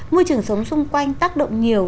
môi trường sống xung quanh tác động nhiều